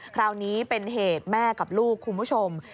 คราวนี้เป็นเหตุแม่กับลูกคุณผู้ชม